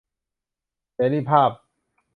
เสรีภาพ